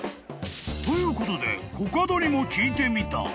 ［ということでコカドにも聞いてみた］